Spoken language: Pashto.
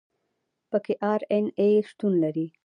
پکې آر این اې شتون لري.